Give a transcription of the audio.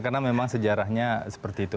karena memang sejarahnya seperti itu